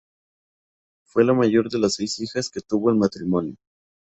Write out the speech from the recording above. Fue la mayor de las seis hijas que tuvo el matrimonio.